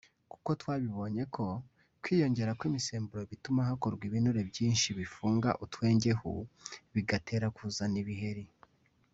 kuko twabonye ko kwiyongera kw’imisemburo bituma hakorwa ibinure byinshi bifunga utwengehu bigatera kuzana ibiheri